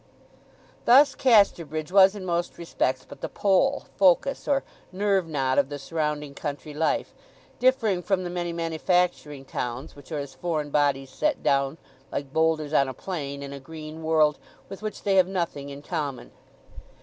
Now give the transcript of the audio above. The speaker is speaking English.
Thus Casterbridge was in most respects but the pole, focus, or nerve knot of the surrounding country life; differing from the many manufacturing towns which are as foreign bodies set down, like boulders on a plain, in a green world with which they have nothing in common.